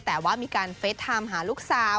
แต่ว่ามีการเฟสไทม์หาลูกสาว